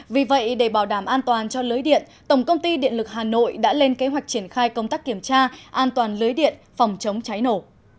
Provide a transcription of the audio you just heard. vì vậy để bảo đảm an toàn cho lưới điện tổng công ty điện lực hà nội đã lên kế hoạch triển khai công tác kiểm tra an toàn lưới điện phòng chống cháy nổ